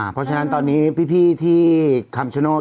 เพราะฉะนั้นตอนนี้พี่ที่คำชโนธ